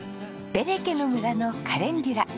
ベレケの村のカレンデュラ。